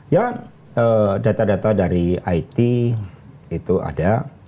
ya data data dari it itu ada